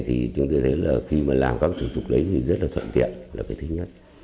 thì chúng tôi thấy là khi mà làm các thủ tục đấy thì rất là thuận tiện là cái thứ nhất